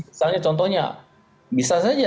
misalnya contohnya bisa saja